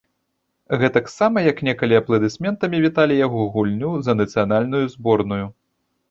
Гэтаксама, як некалі апладысментамі віталі яго гульню за нацыянальную зборную.